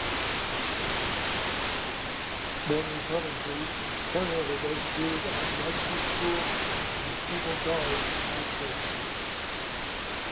Born in Coventry, Turner was educated at Rugby School and Keble College, Oxford.